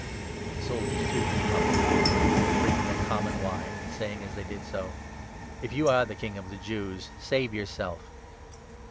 The soldiers, too, came up in mockery, bringing him common 36 wine, and saying as they did so : 37 "If you are the King of the Jews, save yourself."